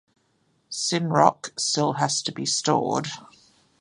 Synroc still has to be stored.